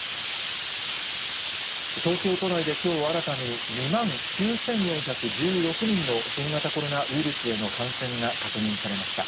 東京都内できょう新たに、２万９４１６人の新型コロナウイルスへの感染が確認されました。